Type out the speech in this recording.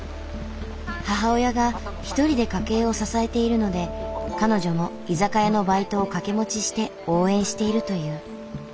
母親が一人で家計を支えているので彼女も居酒屋のバイトを掛け持ちして応援しているという。